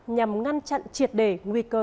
nhằm ngăn chặn triệt đề nguy cơ